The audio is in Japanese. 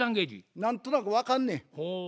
何となく分かんねや。